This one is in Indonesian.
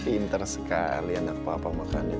pinter sekali enak papa makannya